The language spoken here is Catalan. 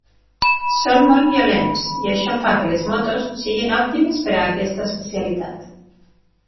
Són molt violents i això fa que les motos siguin òptimes per a aquesta especialitat.